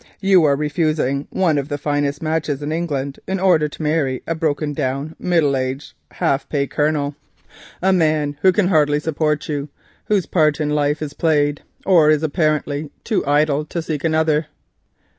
You are refusing one of the finest matches in England in order to marry a broken down, middle aged, half pay colonel, a man who can hardly support you, whose part in life is played, or who is apparently too idle to seek another."